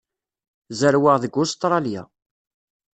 Zerweɣ deg Ustṛalya.